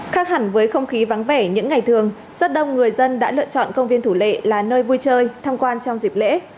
khác hẳn với không khí vắng vẻ những ngày thường rất đông người dân đã lựa chọn công viên thủ lệ là nơi vui chơi tham quan trong dịp lễ